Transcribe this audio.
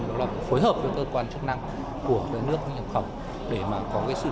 đó là phối hợp với cơ quan chức năng của nước nhập khẩu